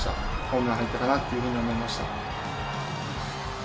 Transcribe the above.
ホームランが入ったかなというふうに思いました。